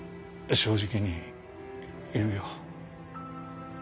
正直に言うよ。